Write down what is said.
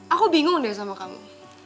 aku bingung deh sama kamu